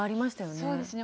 そうですね。